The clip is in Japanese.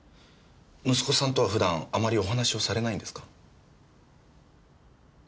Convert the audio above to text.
息子さんとは普段あまりお話をされないんですか？